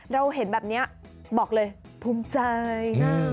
เราเห็นแบบนี้บอกเลยภูมิใจ